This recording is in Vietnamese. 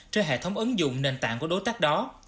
trên hệ thống ứng dụng nền tảng của đối tác đó